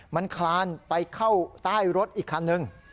มันคลานไปเข้าใต้รถอีกคันนึง